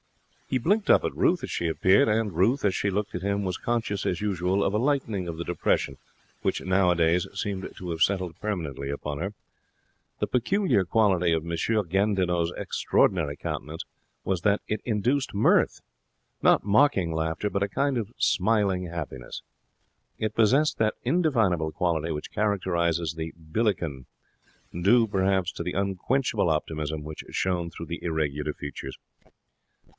He blinked up at Ruth as she appeared, and Ruth, as she looked at him, was conscious, as usual, of a lightening of the depression which, nowadays, seemed to have settled permanently upon her. The peculiar quality of M. Gandinot's extraordinary countenance was that it induced mirth not mocking laughter, but a kind of smiling happiness. It possessed that indefinable quality which characterizes the Billiken, due, perhaps, to the unquenchable optimism which shone through the irregular features; for M.